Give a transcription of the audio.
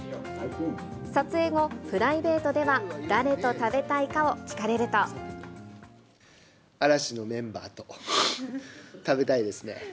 撮影後、プライベートでは誰と食嵐のメンバーと食べたいですね。